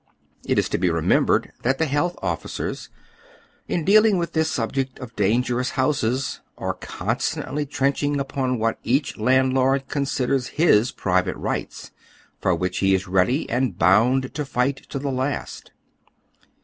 It is to be re membered that the health officers, in dealing with this subject of dangerous houses, are constantly trenching upon what each landlord considers his private rights, for which lie is ready and bound to fight to the last.